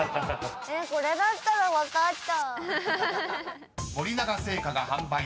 これだったら分かった。